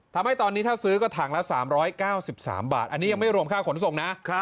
ทำให้ตอนนี้ถ้าซื้อก็ถังละ๓๙๓บาทอันนี้ยังไม่รวมค่าขนส่งนะ